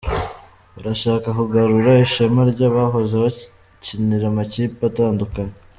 Barashaka kugarura ishema ry’abahoze bakinira amakipe atandukanye.